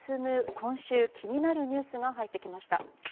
今週気になるニュースが入ってきました。